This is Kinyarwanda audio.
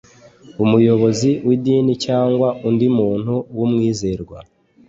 umuyobozi w'idini cyangwa undi muntu w'umwizerwa